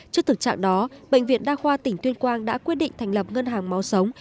trước thực trạng đó bệnh viện đa khoa tỉnh tuyên quang đã quyết định thành lập ngân hàng máu sống